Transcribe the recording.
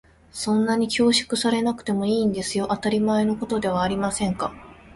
そんなに恐縮されなくてもいいんですのよ。当たり前のことではありませんか。